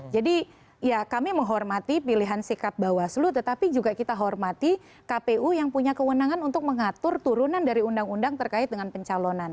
jadi ya kami menghormati pilihan sikat bawah seluruh tetapi juga kita hormati kpu yang punya kewenangan untuk mengatur turunan dari undang undang terkait dengan pencalonan